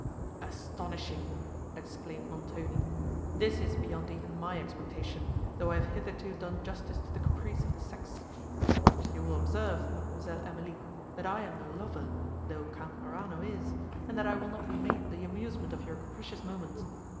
"Astonishing!" exclaimed Montoni: "this is beyond even my expectation, though I have hitherto done justice to the caprice of the sex! But you will observe, Mademoiselle Emily, that I am no lover, though Count Morano is, and that I will not be made the amusement of your capricious moments.